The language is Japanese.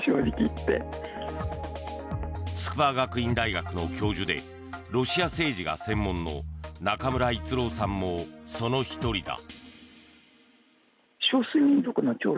筑波学院大学の教授でロシア政治が専門の中村逸郎さんもその１人だ。